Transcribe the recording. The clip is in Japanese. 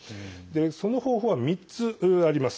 その方法は３つあります。